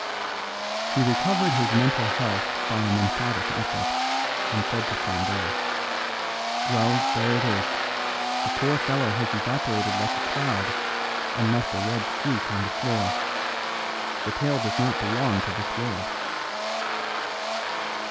He recovered his mental health by an emphatic effort, and said to Flambeau, "Well, there it is. The poor fellow has evaporated like a cloud and left a red streak on the floor. The tale does not belong to this world."